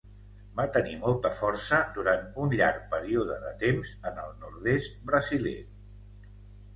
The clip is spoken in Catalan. Va tenir molta força durant un llarg període de temps en el nord-est brasiler.